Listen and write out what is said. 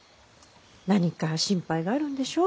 何か心配があるんでしょ？